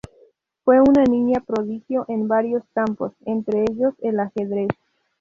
Fue una niña prodigio en varios campos, entre ellos el ajedrez.